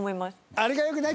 あれが良くない？